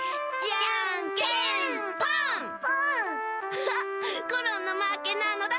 アハハコロンのまけなのだ。